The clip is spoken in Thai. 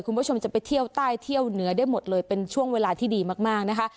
คุณผู้ชมจะไปเที่ยวใต้เที่ยวเหนือได้หมดเลยเป็นช่วงเวลาที่ดีมากนะคะ